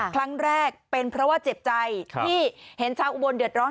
ครั้งแรกเป็นเพราะว่าเจ็บใจที่เห็นชาวอุบลเดือดร้อน